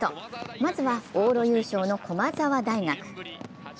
まずは、往路優勝の駒澤大学。